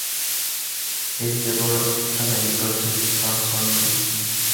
Este error tan habitual es un falso amigo.